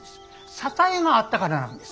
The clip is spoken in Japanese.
支えがあったからなんです。